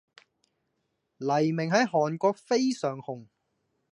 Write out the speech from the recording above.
黎明在韓國非常紅